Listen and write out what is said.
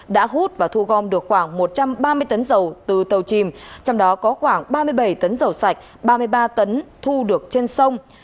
đã hút và thu gom được khoảng một trăm ba mươi tấn dầu từ tàu chìm trong đó có khoảng ba mươi bảy tấn dầu sạch ba mươi ba tấn thu được trên sông